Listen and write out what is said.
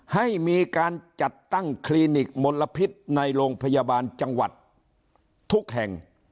ให้มีการจัดตั้งคลินิกมลพิษในโรงพยาบาลจังหวัดทุกแห่ง